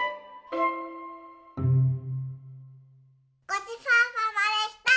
ごちそうさまでした！